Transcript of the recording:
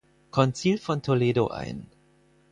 Konzil von Toledo ein.